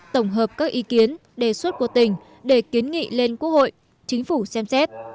tổng hợp các ý kiến đề xuất của tỉnh để kiến nghị lên quốc hội chính phủ xem xét